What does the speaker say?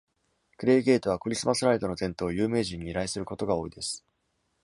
クレイゲートは、クリスマスライトの点灯を有名人に依頼することが多いです。